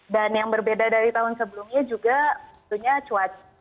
dan yang berbeda dari tahun sebelumnya juga tentunya cuaca